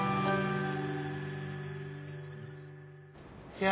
いや。